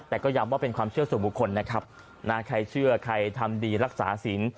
แต่ก็ย้ำว่าเป็นความเชื่อส่วนบุคคลนะครับนะใครเชื่อใครทำดีรักษาศีล